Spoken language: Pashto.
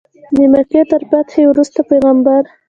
د مکې تر فتحې وروسته پیغمبر.